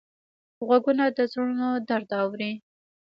غوږونه د زړونو درد اوري